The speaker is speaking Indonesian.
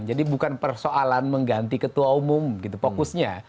jadi bukan persoalan mengganti ketua umum gitu fokusnya